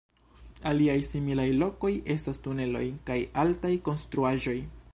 Aliaj similaj lokoj estas tuneloj kaj altaj konstruaĵoj.